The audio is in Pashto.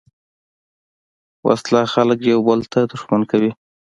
وسله خلک یو بل ته دښمن کوي